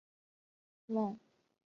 孟子家族是孟子后裔的总称。